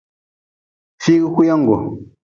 Fiigu kuyingu.